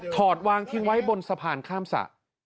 ถอดวางที่ไว้บนสะพานข้ามสะ